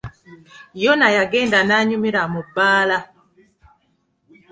Yona yagenda n'anyumira mu bbaala.